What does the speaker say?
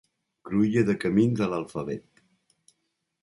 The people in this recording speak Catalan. Cruïlla de camins a l'alfabet.